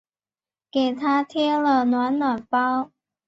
给她贴了暖暖包